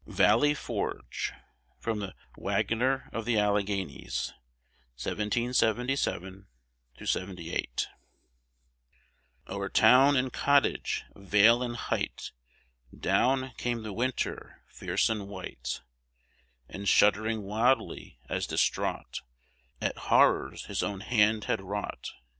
VALLEY FORGE From "The Wagoner of the Alleghanies" [1777 78] O'er town and cottage, vale and height, Down came the Winter, fierce and white, And shuddering wildly, as distraught At horrors his own hand had wrought.